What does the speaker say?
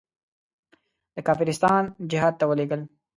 د کافرستان جهاد ته ولېږل.